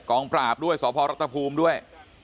งปราบด้วยสพรัฐภูมิด้วย